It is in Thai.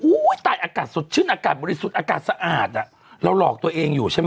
ตายอากาศสดชื่นอากาศบริสุทธิ์อากาศสะอาดอ่ะเราหลอกตัวเองอยู่ใช่ไหม